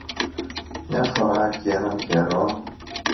Μια φορά κι έναν καιρό